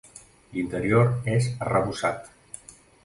L'interior és arrebossat.